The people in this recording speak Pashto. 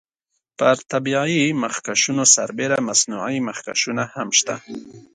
پر طبیعي مخکشونو سربیره مصنوعي مخکشونه هم شته.